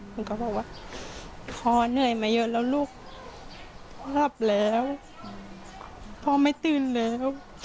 มันก็บอกว่าพ่อเหนื่อยมาเยอะแล้วลูกพ่อหลับแล้วพ่อไม่ตื่นแล้ว